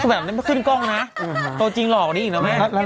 ก็แบบนั้นไม่ขึ้นกล้องนะโตจริงหล่อกว่านี้อีกแล้วแม่